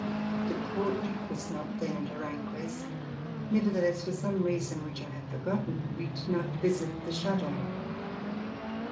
The Court was not then at Aranjuez; nevertheless, for some reason which I have for gotten, we did not visit the Chateau.